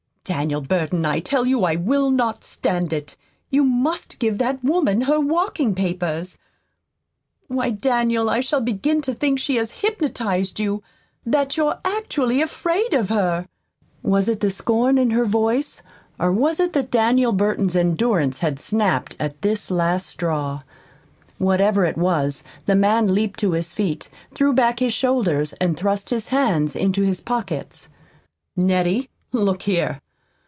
Daniel Burton, I tell you I will not stand it. You MUST give that woman her walking papers. Why, Daniel, I shall begin to think she has hypnotized you that you're actually afraid of her!" Was it the scorn in her voice? Or was it that Daniel Burton's endurance had snapped at this last straw? Whatever it was, the man leaped to his feet, threw back his shoulders, and thrust his hands into his pockets. "Nettie, look here.